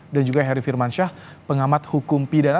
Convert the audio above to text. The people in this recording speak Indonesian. dan juga heri firmansyah pengamat hukum pidana